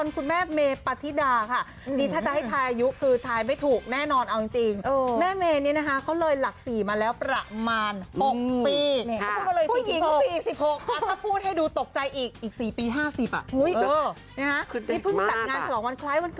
คุณหน้าเด็กมากค่ะ